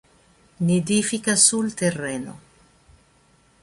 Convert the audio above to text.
Nidifica sul terreno.